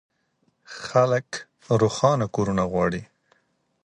خلک روښانه کورونه غواړي.